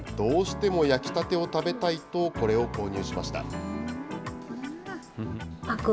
どうしても焼きたてを食べたいと、これを購入しました。